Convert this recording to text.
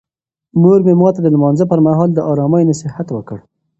مور مې ماته د لمانځه پر مهال د آرامۍ نصیحت وکړ.